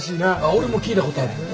俺も聞いたことあるよ。